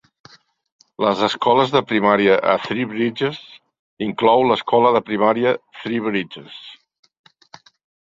Les escoles de primària a Three Bridges inclou l'Escola de Primària Three Bridges.